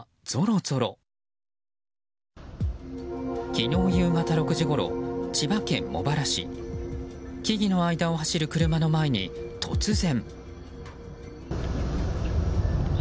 昨日夕方６時ごろ、千葉県茂原市木々の間を走る車の前に突然。